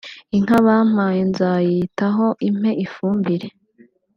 …) Inka bampaye nzayitaho impe ifumbire